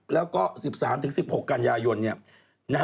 แล้วก็๑๓๑๖กันยายน